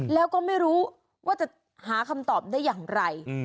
แล้วก็ไม่รู้ว่าจะหาคำตอบได้อย่างไร